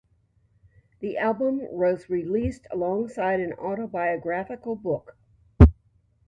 The album was released alongside an autobiographical book.